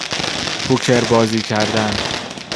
پوکر بازی کردن